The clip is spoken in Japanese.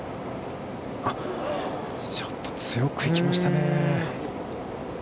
あっ、ちょっと強く行きましたね。